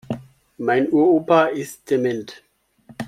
Mein Uropa ist dement.